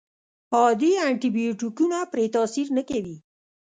عادي انټي بیوټیکونه پرې تاثیر نه کوي.